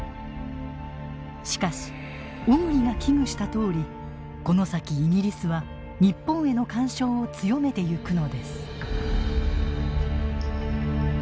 しかし小栗が危惧したとおりこの先イギリスは日本への干渉を強めてゆくのです。